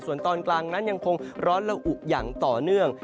ส่วนตอนกลางนั้นยังคงร้อนละอุอย่างต่อเนื่อง